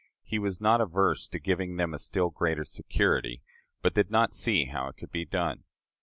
He was not averse to giving them a still greater security, but did not see how it could be done."